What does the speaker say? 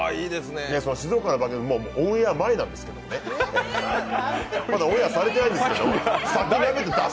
その静岡の番組もオンエア前なんですけどまだオンエアされてないんですけど出し